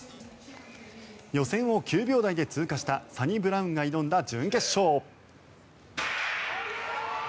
予選を９秒台で通過したサニブラウンが挑んだ準決勝。